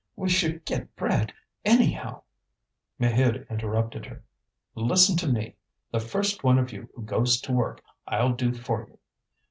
We should get bread, anyhow." Maheude interrupted her. "Listen to me: the first one of you who goes to work, I'll do for you.